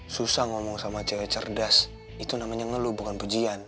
susah ngomong sama cewek cerdas itu namanya ngeluh bukan pujian